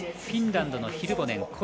フィンランドのヒルボネン。